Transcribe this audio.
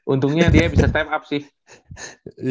untungnya dia bisa time up sih